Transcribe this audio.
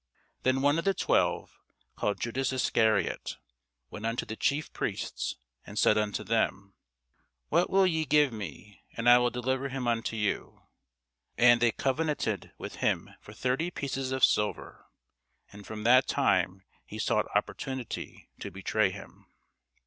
Then one of the twelve, called Judas Iscariot, went unto the chief priests, and said unto them, What will ye give me, and I will deliver him unto you? And they covenanted with him for thirty pieces of silver. And from that time he sought opportunity to betray him.